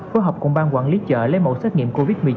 phối hợp cùng bang quản lý chợ lấy mẫu xét nghiệm covid một mươi chín